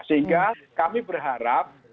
sehingga kami berharap